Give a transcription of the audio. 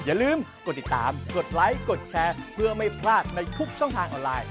อย่าลืมกดติดตามกดไลค์กดแชร์เพื่อไม่พลาดในทุกช่องทางออนไลน์